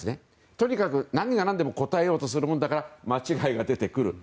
とにかく何が何でも答えようとするもんだから間違いが出てくると。